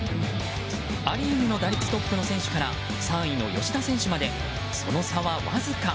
ア・リーグの打率トップの選手から３位の吉田選手までその差はわずか。